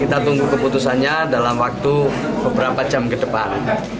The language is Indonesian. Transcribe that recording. kita tunggu keputusannya dalam waktu beberapa jam ke depan